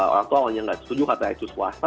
orang tua awalnya gak setuju kata aisyah swasti